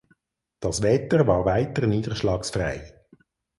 Das Wetter war weiter niederschlagsfrei.